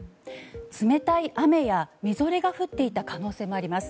冷たい雨や、みぞれが降っていた可能性もあります。